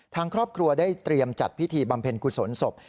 ทางครอบครัวได้เตรียมจัดพิธีบำเพ็ญกุศลศพ